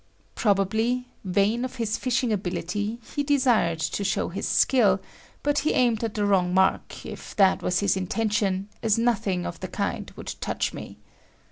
Probably, vain of his fishing ability, he desired to show his skill, but he aimed at the wrong mark, if that was his intention, as nothing of the kind would touch me.